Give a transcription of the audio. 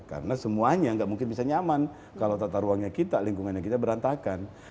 karena semuanya gak mungkin bisa nyaman kalau tata ruangnya kita lingkungannya kita berantakan